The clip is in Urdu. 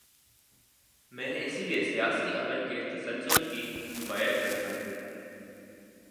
میں اسی لیے سیاسی عمل کے تسلسل کی حمایت کرتا ہوں۔